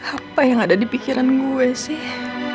apa yang ada di pikiran gue sih